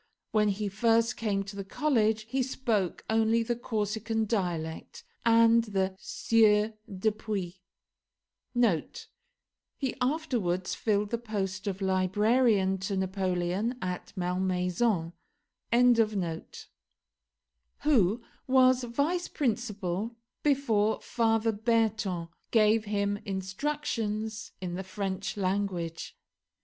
When he first came to the college he spoke only the Corsican dialect, and the Sieur Dupuis, [He afterwards filled the post of librarian to Napoleon at Malmaison.] who was vice principal before Father Berton, gave him instructions in the French language.